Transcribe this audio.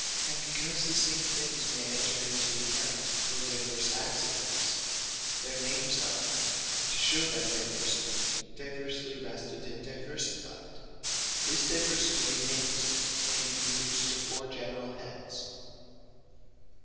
And because the same things may enter into account for divers accidents; their names are (to shew that diversity) diversly wrested, and diversified. This diversity of names may be reduced to foure generall heads.